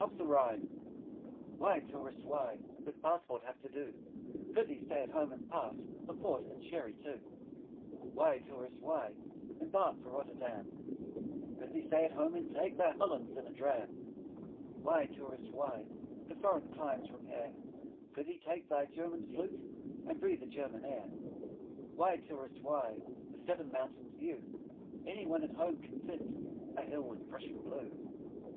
'UP THE RHINE' Why, Tourist, why With Passport have to do? Pr'ythee stay at home and pass The Port and Sherry too. Why, Tourist, why 5 Embark for Rotterdam? Pr'ythee stay at home and take Thy Hollands in a dram. Why, Tourist, why To foreign climes repair? 10 Pr'ythee take thy German Flute, And breathe a German air. Why, Tourist, why The Seven Mountains view? Any one at home can tint 15 A hill with Prussian Blue.